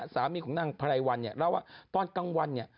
สามีของนางพรายวันเล่าว่าตอนกลางวัน